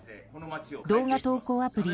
動画投稿アプリ